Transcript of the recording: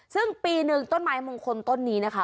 ซึ่งปีหนึ่งต้นไม้มงคลต้นนี้นะคะ